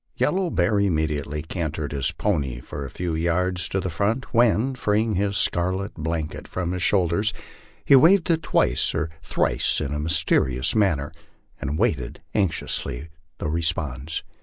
Yellow Bear immediately cantered his pony a few yards to the front, when, freeing his scarlet blanket from his shoulders, he waved it twice or thrice in a mysterious manner, and waited anxiously the response.